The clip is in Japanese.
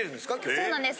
そうなんです。